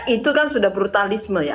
itu kan sudah brutalisme ya